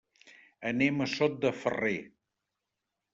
Anem a Sot de Ferrer.